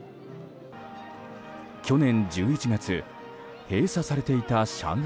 去年１１月閉鎖されていた上海